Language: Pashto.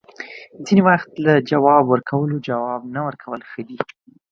ځینې وخت له جواب ورکولو، جواب نه ورکول ښه وي